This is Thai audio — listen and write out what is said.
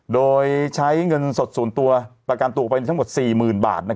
โดยใช้เงินสดส่วนตัวประการตัวไปทั้งหมด๔๐๐๐๐บาท